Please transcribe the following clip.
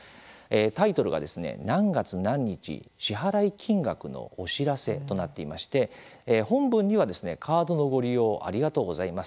タイトルが「●月●日お支払い金額のお知らせ」となっていまして本文には「カードのご利用ありがとうございます。